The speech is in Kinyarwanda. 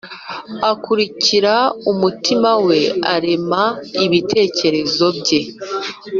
akurikira umutima we arema ibitekerezo bye.